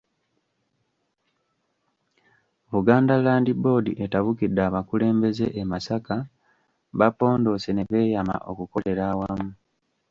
Buganda Land Board etabukidde abakulembeze e Masaka, bapondoose ne beeyama okukolera awamu.